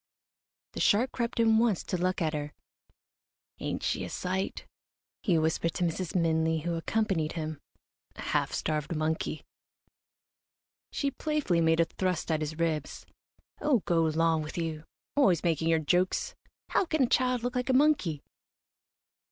The shark crept in once to look at her. "Ain't she a sight?" he whispered to Mrs. Minley, who accompanied him, "a half starved monkey." She playfully made a thrust at his ribs. "Oh, go 'long with you always making your jokes! How can a child look like a monkey?"